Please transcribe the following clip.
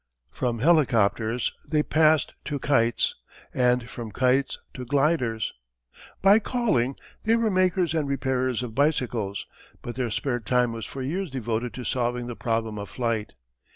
From helicopters they passed to kites, and from kites to gliders. By calling they were makers and repairers of bicycles, but their spare time was for years devoted to solving the problem of flight.